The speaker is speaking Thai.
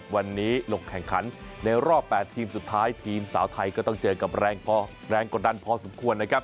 วันนี้ลงแข่งขันในรอบ๘ทีมสุดท้ายทีมสาวไทยก็ต้องเจอกับแรงกดดันพอสมควรนะครับ